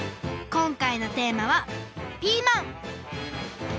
こんかいのテーマは「ピーマン」！